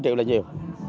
ba triệu là nhiều